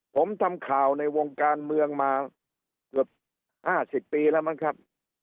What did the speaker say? ผมทำข่าวในวงการเมืองมาเกือบ๕๐ปีแล้วมั้งครับ